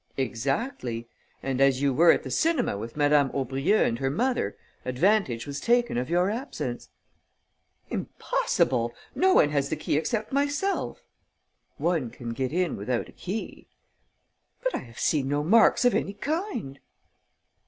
"Exactly; and, as you were at the cinema with Madame Aubrieux and her mother, advantage was taken of your absence...." "Impossible! No one has the key except myself." "One can get in without a key." "But I have seen no marks of any kind."